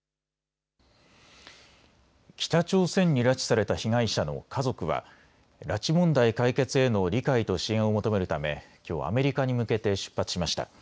北朝鮮に拉致された被害者の家族は拉致問題解決への理解と支援を求めるため、きょうアメリカに向けて出発しました。